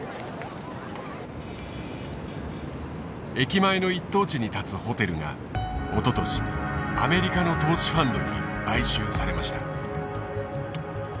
駅前の一等地に建つホテルがおととしアメリカの投資ファンドに買収されました。